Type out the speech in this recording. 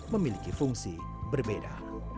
memiliki fungsi berbeda